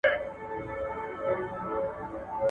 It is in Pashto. دباندې تیاره شوه او هغې اودس وکړ.